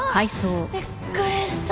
びっくりした。